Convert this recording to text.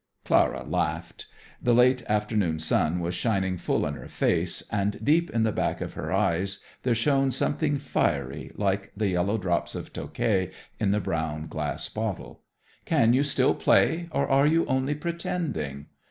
Clara laughed. The late afternoon sun was shining full in her face, and deep in the back of her eyes there shone something fiery, like the yellow drops of Tokai in the brown glass bottle. "Can you still play, or are you only pretending?"